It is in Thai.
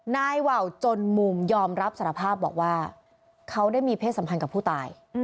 ว่าวจนมุมยอมรับสารภาพบอกว่าเขาได้มีเพศสัมพันธ์กับผู้ตาย